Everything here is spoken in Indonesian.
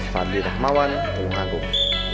fadli rahmawan tulung agung